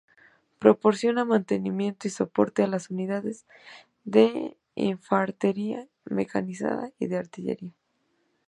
Proporciona mantenimiento y soporte a las unidades de infantería mecanizada y de artillería.